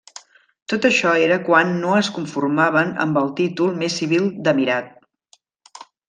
Tot això era quan no es conformaven amb el títol més civil d'emirat.